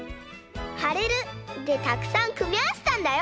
「はれる」でたくさんくみあわせたんだよ！